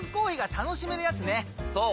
そう！